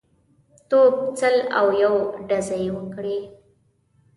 توپ سل او یو ډزې یې وکړې.